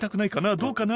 どうかな？